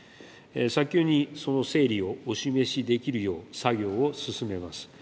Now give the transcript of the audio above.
早急にその整理をお示しできるよう、作業を進めます。